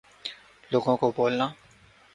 لوگوں کا بھولنا